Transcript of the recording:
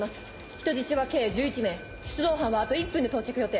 人質は計１１名出動班はあと１分で到着予定。